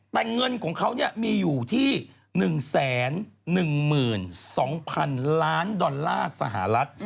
แต่เงินของเขามีอยู่ที่๑๑๒๐๐๐ล้านดอลลาร์สหรัฐ